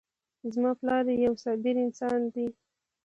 زما پلار یو صابر انسان ده